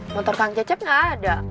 motor kakak cecep gak ada